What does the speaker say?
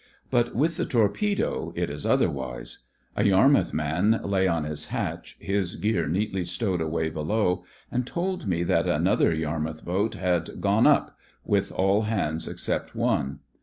But with the torpedo it is otherwise. A Yar mouth man lay on his hatch, his gear neatly stowed away below, and told me that another Yarmouth boat had "gone up," with all hands except one.